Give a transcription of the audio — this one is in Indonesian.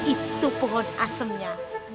itu pohon asemnya